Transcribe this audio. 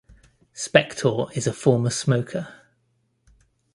Spektor is a former smoker.